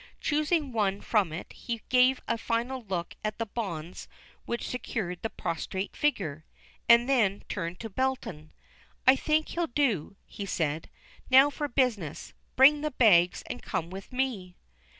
Choosing one from it, he gave a final look at the bonds which secured the prostrate figure, and then turned to Belton. "I think he'll do," he said. "Now for business. Bring the bags, and come with me."